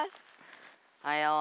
おはよう。